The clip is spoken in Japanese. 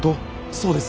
そうです。